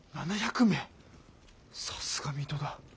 さすが水戸だ。